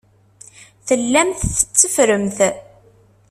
Tellamt tetteffremt.